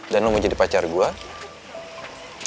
dan lo mau jadi pacar gue